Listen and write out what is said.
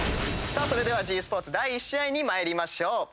それではｇスポーツ第１試合に参りましょう。